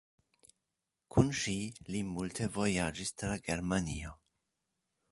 Kun ŝi li multe vojaĝis tra Germanio.